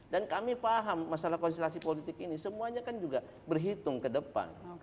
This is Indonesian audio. dan kami paham masalah konsentrasi politik ini semuanya kan juga berhitung ke depan